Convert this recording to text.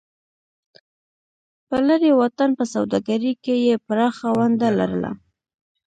په لرې واټن په سوداګرۍ کې یې پراخه ونډه لرله.